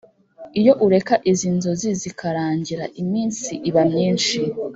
iyo ureka izi nzozi zikarangira, iminsi iba myinshi